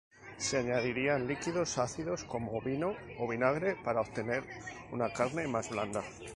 Se añadían líquidos ácidos como vino o vinagre para obtener una carne más blanda.